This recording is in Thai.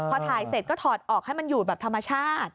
พอถ่ายเสร็จก็ถอดออกให้มันอยู่แบบธรรมชาติ